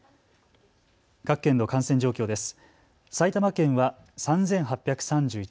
各県の感染状況です。